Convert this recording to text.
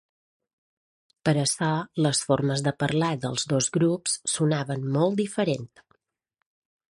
Per això, les formes de parlar dels dos grups sonaven molt diferent.